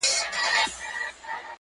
يو ځل ځان لره بوډۍ كړوپه پر ملا سه،